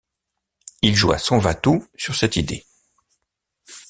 Il joua son vatout sur cette idée.